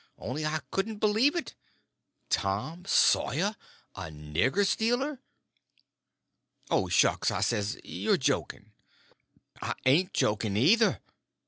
Only I couldn't believe it. Tom Sawyer a nigger stealer! "Oh, shucks!" I says; "you're joking." "I ain't joking, either."